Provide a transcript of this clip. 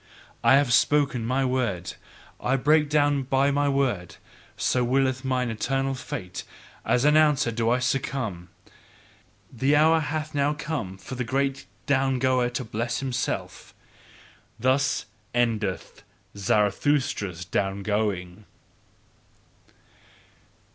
I have spoken my word. I break down by my word: so willeth mine eternal fate as announcer do I succumb! The hour hath now come for the down goer to bless himself. Thus ENDETH Zarathustra's down going.